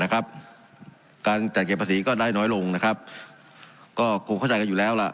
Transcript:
การจัดเก็บภาษีก็ได้น้อยลงนะครับก็คงเข้าใจกันอยู่แล้วล่ะ